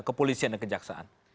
kepolisian dan kejaksaan